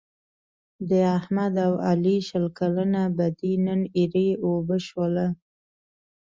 د احمد او علي شل کلنه بدي نن ایرې اوبه شوله.